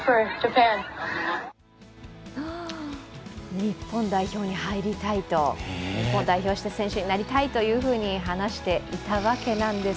日本代表に入りたいと、日本を代表して選手になりたいと話していたわけなんです。